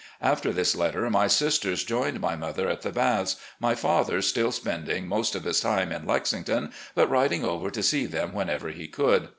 After this letter, my sisters joined my mother at the Baths, my father still spending most of his time in Lexington, but riding over to see them whenever he could.